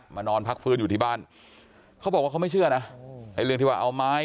นอนพักฟื้นอยู่ที่บ้านเขาบอกว่าเขาไม่เชื่อนะไอ้เรื่องที่ว่าเอาไม้